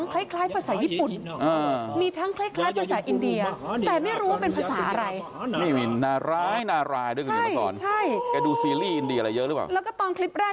ที่เรียนร่าอินเดียตระยะอันดีระยะรำมานารายย์นารายย์